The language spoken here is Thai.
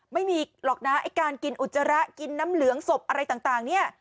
ไม่มีหรอกนะไอ้การกินอุจจาระกินน้ำเหลืองศพอะไรต่างเนี่ย